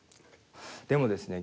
でもですね